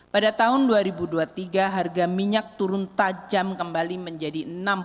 pada tahun dua ribu dua puluh tiga harga minyak turun tajam kembali menjadi enam